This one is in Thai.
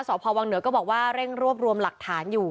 สพวังเหนือก็บอกว่าเร่งรวบรวมหลักฐานอยู่